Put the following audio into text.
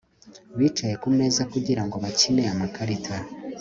Bicaye kumeza kugirango bakine amakarita